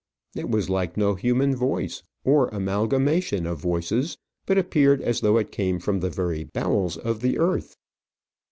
It was like no human voice, or amalgamation of voices; but appeared as though it came from the very bowels of the earth.